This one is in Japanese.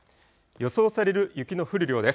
予想される雪の降る量です。